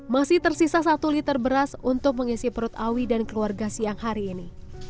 masih tersisa satu liter beras untuk mengisi perut awi dan keluarga siang hari ini